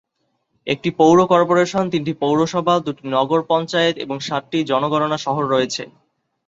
একটি পৌর কর্পোরেশন, তিনটি পৌরসভা, দুটি নগর পঞ্চায়েত এবং সাতটি জনগণনা শহর রয়েছে।